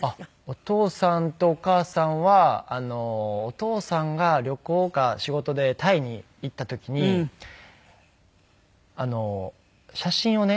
お父さんとお母さんはお父さんが旅行か仕事でタイに行った時に写真をね